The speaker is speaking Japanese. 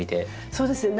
そうですね